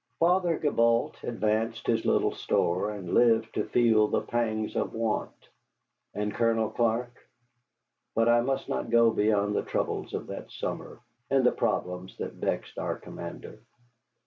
Father Gibault advanced his little store, and lived to feel the pangs of want. And Colonel Clark? But I must not go beyond the troubles of that summer, and the problems that vexed our commander.